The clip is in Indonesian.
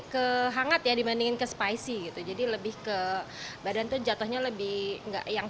ke hangat ya dibandingin ke spicy gitu jadi lebih ke badan tuh jatuhnya lebih enggak yang